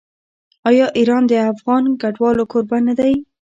آیا ایران د افغان کډوالو کوربه نه دی؟